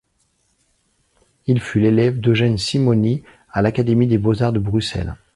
Il fut l’élève d’Eugène Simonis à l’Académie des Beaux Arts de Bruxelles.